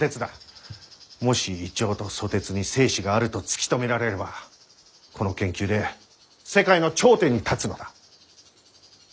もしイチョウとソテツに精子があると突き止められればこの研究で世界の頂点に立つのだ。